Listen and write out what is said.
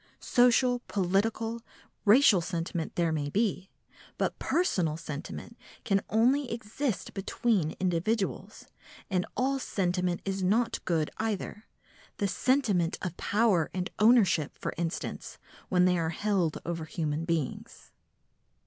Social, political, racial sentiment there may be, but personal sentiment can only exist between individuals, and all sentiment is not good either,—the sentiment of power and ownership, for instance, when they are held over human beings.